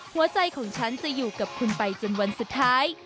หัวใจของฉันจะอยู่กับคุณไปจนวันสุดท้าย